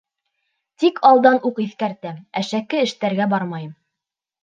Тик алдан уҡ иҫкәртәм, әшәке эштәргә бармайым.